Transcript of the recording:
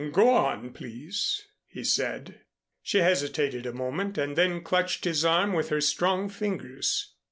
"Go on, please," he said. She hesitated a moment and then clutched his arm with her strong fingers.